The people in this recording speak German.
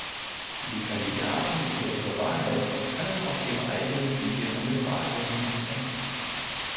Die Kandidaten oder ihre Wahlhelfer können auch ihre eigenen Siegel an den Wahlurnen anbringen.